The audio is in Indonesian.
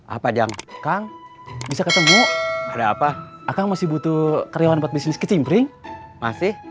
apa yang kang bisa ketemu ada apa akan masih butuh karyawan buat bisnis kecimbring masih